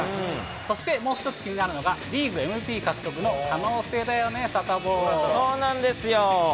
そしてもう一つ気になるのが、リーグＭＶＰ獲得の可能性だよね、そうなんですよ。